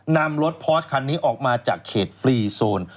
นำรถพอร์สคันนี้ออกมาจากเขตฟรีโซน